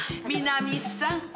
みなみさん。